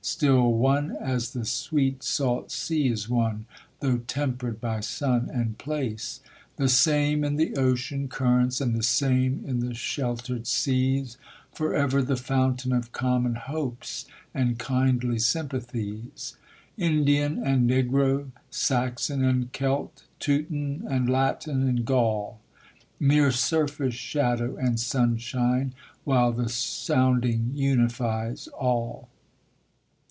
Still one as the sweet salt sea is one, though tempered by sun and place; The same in the ocean currents, and the same in the shel tered seas; Forever the fountain of common hopes and kindly sympa thies ; Indian and Negro, Saxon and Celt, Teuton and Latin and Gaul Mere surface shadow and sunshine; while the sounding unifies all